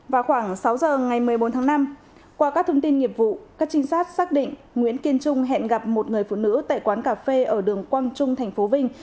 vào khoảng sáu giờ ngày một mươi bốn tháng năm qua các thông tin nghiệp vụ các trinh sát xác định nguyễn kiên trung hẹn gặp một người phụ nữ tại quán cà phê ở đường quang trung tp vinh